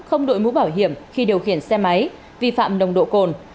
không đội mũ bảo hiểm khi điều khiển xe máy vi phạm nồng độ cồn